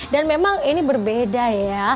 dan memang ini berbeda ya